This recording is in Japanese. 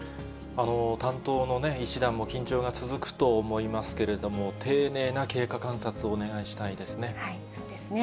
担当の医師団も緊張が続くと思いますけれども、丁寧な経過観察をお願いしたいですね。